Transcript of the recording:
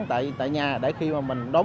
tại nhà để khi mà mình đóng